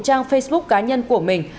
trang facebook cá nhân của mình